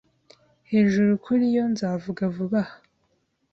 Hejuru kuri yo nzavuga vuba aha